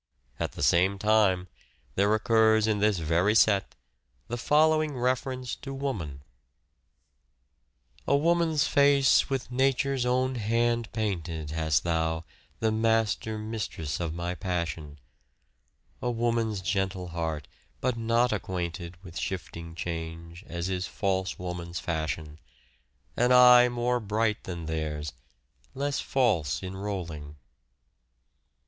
At the same time there occurs in this very set the following reference to woman :—" A woman's face with Nature's own hand painted, Mistrust Hast thou, the master mistress of my passion ; and A woman's gentle heart, but not acquainted affection. With shifting change, as is false woman's fashion ; An eye more bright than theirs, less falseUnJ rolling."